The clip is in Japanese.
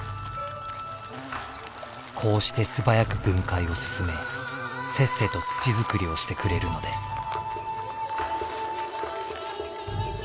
こうして素早く分解を進めせっせと土作りをしてくれるのです。